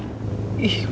sss tumben banget sopan